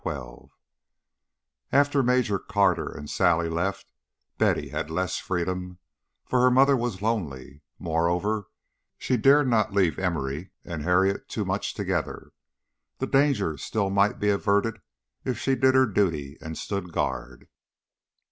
XII After Major Carter and Sally left, Betty had less freedom, for her mother was lonely; moreover, she dared not leave Emory and Harriet too much together. The danger still might be averted if she did her duty and stood guard.